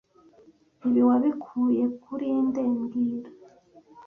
Ibi wabikuye kuri nde mbwira